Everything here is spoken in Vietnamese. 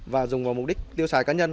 và dùng vào mục đích tiêu xài cá nhân